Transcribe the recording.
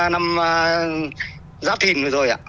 năm giáp thìn rồi ạ